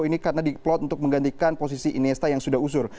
ini karena diplot untuk menggantikan posisi iniesta yang sudah usur